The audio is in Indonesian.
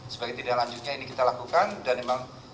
sebagai tidak lanjutnya ini kita lakukan dan emang